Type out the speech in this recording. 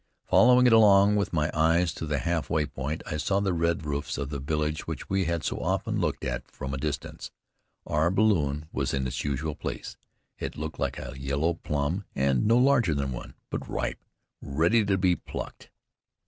Following it along with my eyes to the halfway point, I saw the red roofs of the village which we had so often looked at from a distance. Our balloon was in its usual place. It looked like a yellow plum, and no larger than one; but ripe, ready to be plucked.